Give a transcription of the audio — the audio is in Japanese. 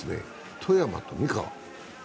富山と三河。